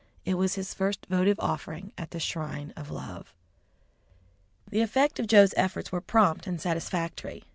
It was his first votive offering at the shrine of love. The effect of Joe's efforts were prompt and satisfactory.